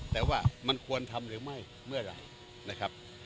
แต่ว่ามันควรทำหรือไม่เมื่อไหร่นะครับ